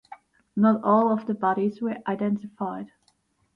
Not all of the bodies were identified.